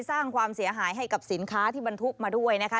สร้างความเสียหายให้กับสินค้าที่บรรทุกมาด้วยนะคะ